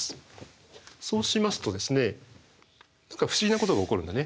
そうしますと不思議なことが起こるんだね。